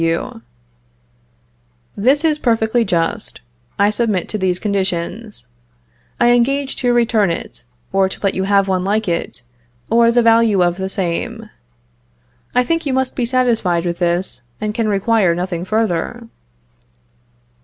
W. This is perfectly just. I submit to these conditions. I engage to return it, or to let you have one like it, or the value of the same. I think you must be satisfied with this, and can require nothing further.